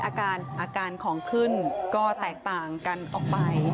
อาการอาการของขึ้นก็แตกต่างกันออกไป